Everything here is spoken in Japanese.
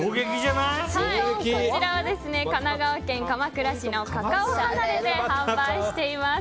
こちらは神奈川県鎌倉市のカカオハナレで販売しています。